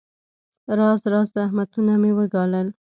راز راز زحمتونه مې وګالل.